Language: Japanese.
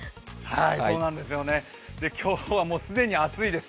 今日は既に暑いです。